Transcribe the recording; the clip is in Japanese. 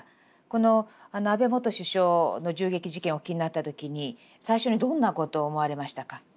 この安倍元首相の銃撃事件をお聞きになった時に最初にどんなことを思われましたか？